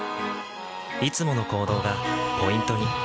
いつもの行動がポイントに。